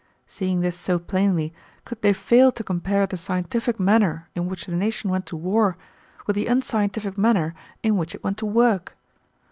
Seeing this so plainly, could they fail to compare the scientific manner in which the nation went to war with the unscientific manner in which it went to work?